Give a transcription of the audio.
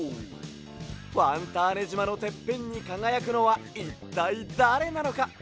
ファンターネじまのてっぺんにかがやくのはいったいだれなのか！？